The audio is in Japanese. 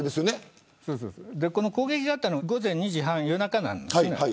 攻撃があったのは午前２時半です。